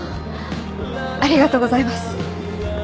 ありがとうございます。